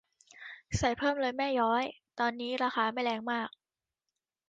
ใส่เพิ่มเลยแม่ย้อย ตอนนี้ราคาไม่แรงมาก